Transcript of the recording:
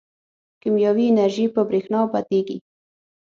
کیمیاوي انرژي په برېښنا بدلېږي.